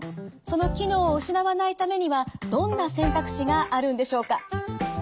その機能を失わないためにはどんな選択肢があるんでしょうか？